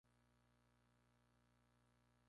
Nagi y la Dra.